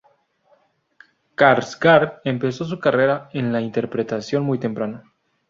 Skarsgård empezó su carrera en la interpretación muy temprano.